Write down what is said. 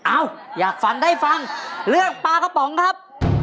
อยากฝันได้ฟังเรื่องปลากระป๋องครับ